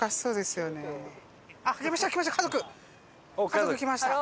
家族来ました。